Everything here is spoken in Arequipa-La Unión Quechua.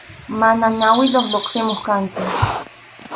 Mana ñawiyuq lluqsimuq kanki.